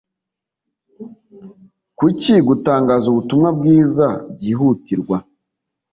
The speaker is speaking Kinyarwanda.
Kuki gutangaza ubutumwa bwiza byihutirwa?